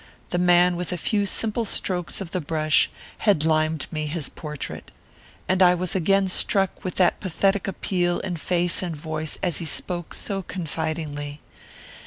The man with a few simple strokes of the brush had limned me his portrait. And I was struck again with that pathetic appeal in face and voice as he spoke so confidingly.